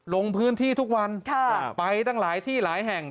ลงพื้นที่ทุกวันไปตั้งหลายที่หลายแห่ง